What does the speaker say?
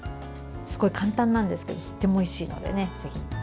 すごい簡単なんですけどとてもおいしいので、ぜひ。